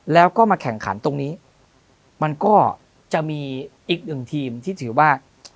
แล้วก็มาแข่งขันตรงนี้มันก็จะมีอีกหนึ่งทีมที่ถือว่า